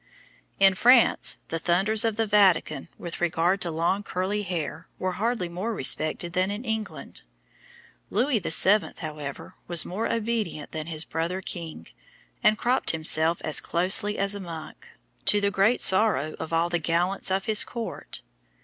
In France, the thunders of the Vatican with regard to long curly hair were hardly more respected than in England. Louis VII., however, was more obedient than his brother king, and cropped himself as closely as a monk, to the great sorrow of all the gallants of his court.